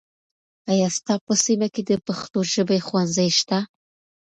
آیا ستا په سیمه کې د پښتو ژبې ښوونځي شته؟